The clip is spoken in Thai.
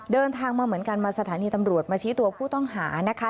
เดินทางมาเหมือนกันมาสถานีตำรวจมาชี้ตัวผู้ต้องหานะคะ